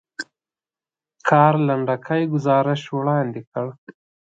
کار لنډکی ګزارش وړاندې کړ.